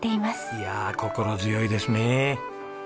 いや心強いですね。